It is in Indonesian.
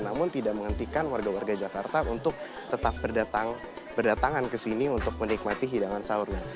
namun tidak menghentikan warga warga jakarta untuk tetap berdatangan ke sini untuk menikmati hidangan sahurnya